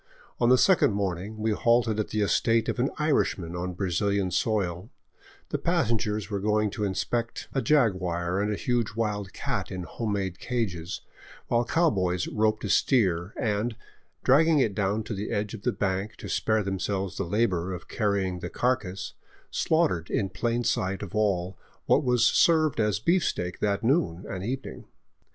On the second morning we halted at the estate of an Irishman on Brazilian soil, the passengers going to inspect a jaguar and a huge wild cat in home made cages, while cow boys roped a steer and, dragging it down to the edge of the bank to spare themselves the labor of carrying the carcass, slaughtered in plain sight of all what was served as beefsteak that noon and evening.